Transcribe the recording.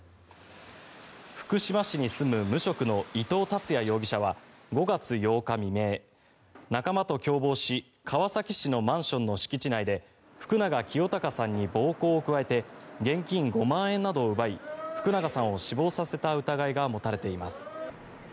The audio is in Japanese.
福島市に住む無職の伊藤辰也容疑者は５月８日未明、仲間と共謀し川崎市のマンションの敷地内で福永清貴さんに暴行を加えて現金５万円などを奪い福永さんを死亡させた疑いが持たれています。